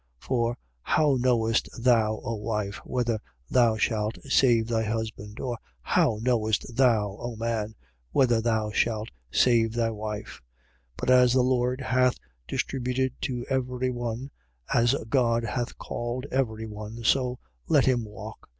7:16. For how knowest thou, O wife, whether thou shalt save thy husband? Or how knowest thou, O man, whether thou shalt save thy wife? 7:17. But as the Lord hath distributed to every one, as God hath called every one: so let him walk.